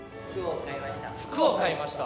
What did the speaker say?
服を買いました。